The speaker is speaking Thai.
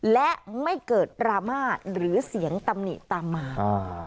และไม่เกิดดราม่าหรือเสียงตำหนิตามมา